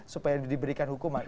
supaya diberikan hukuman